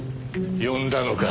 呼んだのか！